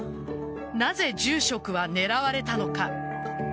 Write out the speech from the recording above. なぜ、住職は狙われたのか。